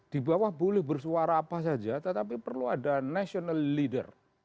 di bawah boleh bersuara apa saja tetapi perlu ada national leader